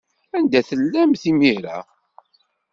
Anda tellamt imir-a?